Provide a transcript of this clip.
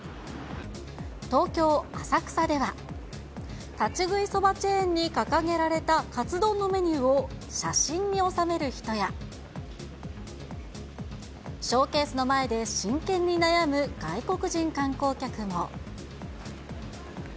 東京・浅草では、立ち食いそばチェーンに掲げられたカツ丼のメニューを写真に収める人や、ショーケースの前で真剣に悩む外国人観光客も。